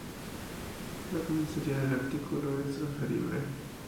La comisaría del artículo es transferible.